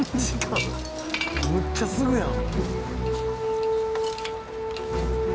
むっちゃすぐやん。